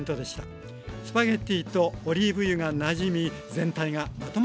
スパゲッティとオリーブ油がなじみ全体がまとまりやすくなります。